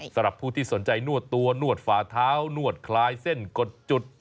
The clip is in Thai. สำหรับผู้ที่สนใจนวดตัวนวดฝาเท้านวดคลายเส้นกดจุด